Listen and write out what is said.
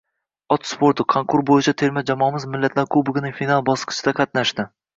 Ot sporti: konkur bo‘yicha terma jamoamiz “Millatlar kubogi”ning final bosqichida qatnashdi